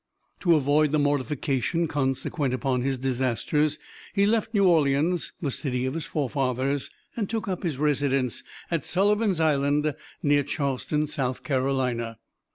To avoid the mortification consequent upon his disasters, he left New Orleans, the city of his forefathers, and took up his residence at Sullivan's Island, near Charleston, South Carolina.